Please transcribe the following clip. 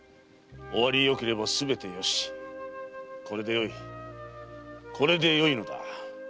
終わりよければすべてよしこれでよいこれでよいのだ。